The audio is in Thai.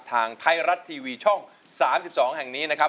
ทางไทยรัฐทีวีช่อง๓๒แห่งนี้นะครับ